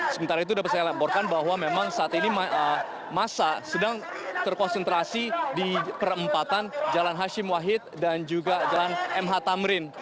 sementara itu dapat saya laporkan bahwa memang saat ini masa sedang terkonsentrasi di perempatan jalan hashim wahid dan juga jalan mh tamrin